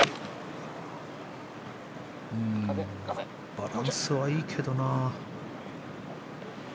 バランスはいいけどな。